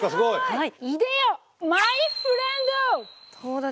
はい。